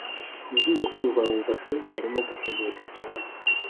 ngiye kumva numva cyntia arimo guhumeka cyane